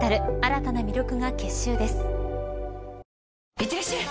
いってらっしゃい！